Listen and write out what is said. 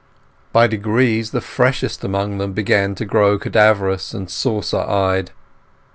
By degrees the freshest among them began to grow cadaverous and saucer eyed.